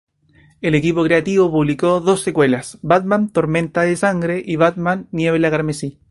El equipo creativo publicó dos secuelas: "Batman: tormenta de sangre" y "Batman: niebla carmesí.